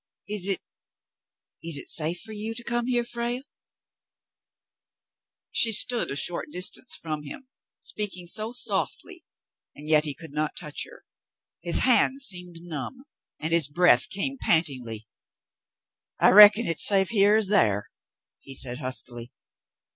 *'Is it — is it safe for you to come here, Frale ?" She stood a short distance from him, speaking so softly, and yet he could not touch her ; his hands seemed numb, and his breath came pantinglJ^ "I reckon hit's safe here as thar," he said huskily.